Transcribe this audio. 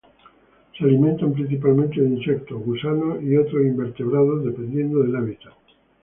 Se alimentan principalmente de insectos, gusanos y otros invertebrados, dependiendo del hábitat.